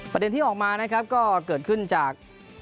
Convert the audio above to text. ประเด็นที่ออกมานะครับก็เกิดขึ้นจาก